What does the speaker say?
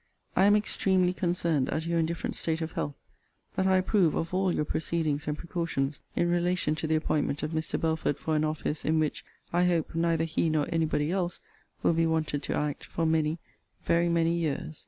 I am extremely concerned at your indifferent state of health: but I approve of all your proceedings and precautions in relation to the appointment of Mr. Belford for an office, in which, I hope, neither he nor any body else will be wanted to act, for many, very many years.